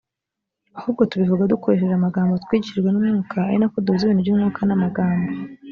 ahubwo tubivuga dukoresheje amagambo twigishijwe n umwuka ari na ko duhuza ibintu by umwuka n amagambo